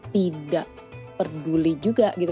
tidak peduli juga gitu